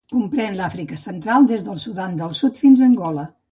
Comprén l'Àfrica Central des del Sudan del Sud fins a Angola.